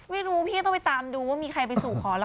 ไม่รู้พี่ต้องไปตามดูว่ามีใครไปสู่ขอล่ะค